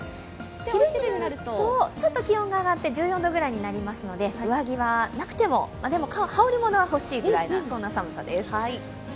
昼になるとちょっと気温が上がって１４度くらいになりますので上着はなくても、でも、羽織り物は欲しいくらいな寒さです。